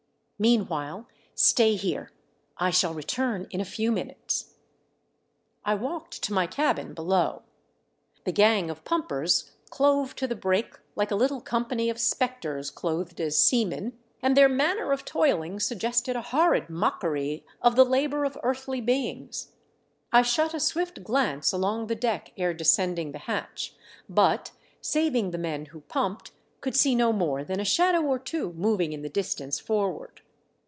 Meanwhile, stay here. I shall return in a few minutes." I walked to my cabin below. The gang of pumperii clo\ci to the brake like u, little 480 THE DEATH SHIP. company of spectres clothed as seamen, and their manner of toihng suggested a horrid mockery of the labour of earthly beings. I shot a swift glance along the deck ere descending the hatch, but, saving the men who pumped, could see no more than a shadov/ or two moving in the distance forward.